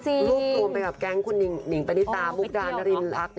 รวบรวมไปกับแก๊งคุณหนิงปณิตามุกดานรินรัก